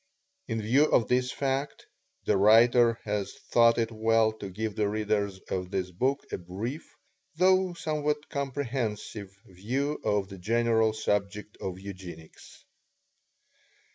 In view of this fact, the writer has thought it well to give the readers of this book a brief, though somewhat comprehensive, view of the general subject of Eugenics.